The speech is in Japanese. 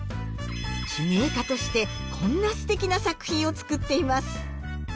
手芸家としてこんなすてきな作品を作っています。